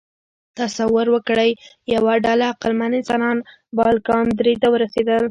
تصور وکړئ، یوه ډله عقلمن انسانان بالکان درې ته ورسېدل.